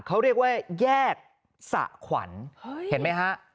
เขาเรียกว่าแยกสะขวัญเห็นไหมฮะ